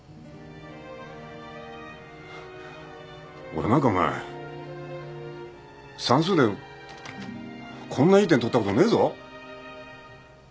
俺なんかお前算数でこんないい点取ったことねえぞ。